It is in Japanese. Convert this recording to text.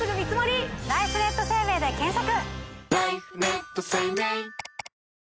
ライフネット生命で検索！